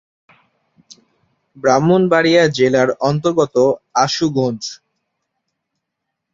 ব্রাহ্মণবাড়িয়া জেলার অন্তর্গত আশুগঞ্জ।